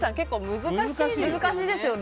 難しいですね。